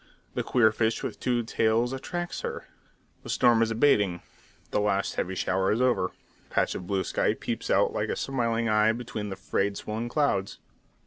The queer fish with two tails attracts her. The storm is abating; the last heavy shower is over. A patch of blue sky peeps out like a smiling eye between the frayed, swollen clouds.